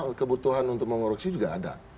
saya kira kebutuhan untuk mengoreksi juga ada